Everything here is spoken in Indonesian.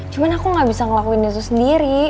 cuman aku gak bisa ngelakuin itu sendiri